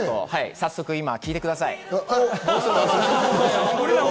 早速、今聴いてください。